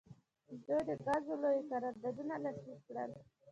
دوی د ګازو لوی قراردادونه لاسلیک کړل.